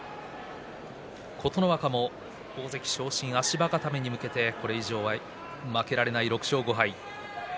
琴ノ若は大関昇進へ足場固めに向けてこれ以上負けられない６勝５敗。